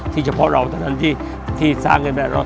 ที่เฉพาะเราเท่านั้นที่สร้างกันไป